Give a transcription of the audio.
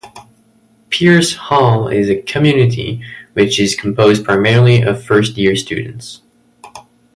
Pearce Hall is a community which is composed primarily of first year students.